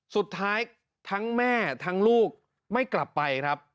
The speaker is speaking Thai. สุดท้ายทั้งแม่ทั้งลูกไม่กลับไปครับ